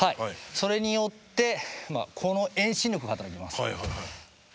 それによってこの遠心力が働きます。